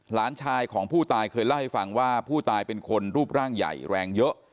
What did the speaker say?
หลานชายของผู้ตายเคยเล่าให้ฟังว่าผู้ตายเป็นคนรูปร่างใหญ่แรงเยอะ